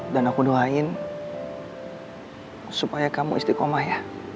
aku doain supaya kamu istiqomah ya